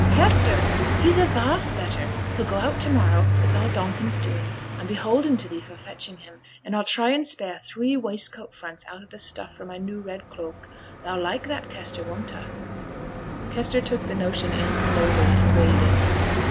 'Kester! he's a vast better, he'll go out to morrow; it's all Donkin's doing. I'm beholden to thee for fetching him, and I'll try and spare thee waistcoat fronts out o' t' stuff for my new red cloak. Thou'll like that, Kester, won't ta?' Kester took the notion in slowly, and weighed it.